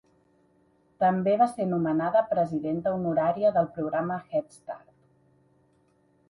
També va ser nomenada presidenta honorària del programa Head Start.